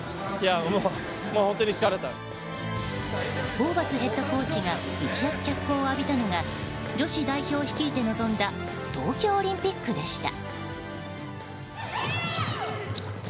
ホーバスヘッドコーチが一躍、脚光を浴びたのが女子代表を率いて臨んだ東京オリンピックでした。